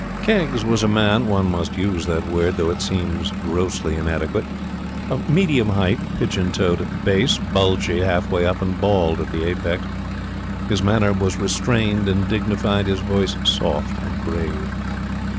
Keggs was a man one must use that word, though it seems grossly inadequate of medium height, pigeon toed at the base, bulgy half way up, and bald at the apex. His manner was restrained and dignified, his voice soft and grave.